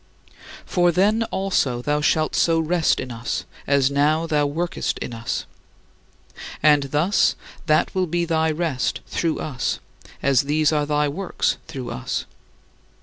For then also thou shalt so rest in us as now thou workest in us; and, thus, that will be thy rest through us, as these are thy works through us.